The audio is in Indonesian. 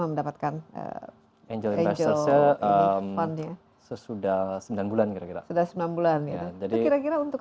namun otik yang tidakigenya untuk